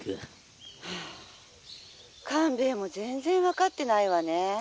「はあ官兵衛も全然分かってないわね。